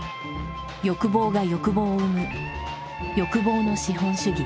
欲望が欲望を生む「欲望の資本主義」。